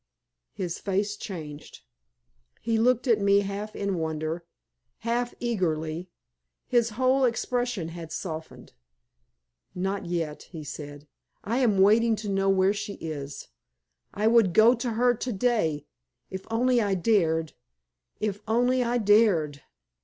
His face changed. He looked at me half in wonder, half eagerly; his whole expression had softened. "Not yet," he said; "I am waiting to know where she is; I would go to her to day if only I dared if only I dared!"